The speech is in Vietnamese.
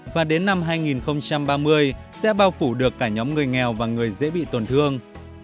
và đến năm hai nghìn ba mươi sẽ bao phủ được cả nhóm người nghèo và người dễ bị tổn thương